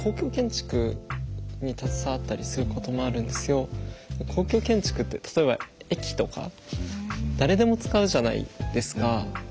私は建築で公共建築って例えば駅とか誰でも使うじゃないですか。